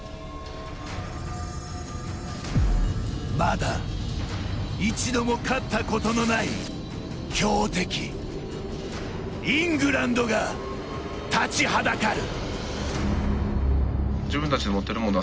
まだ、一度も勝ったことのない強敵イングランドが立ちはだかる。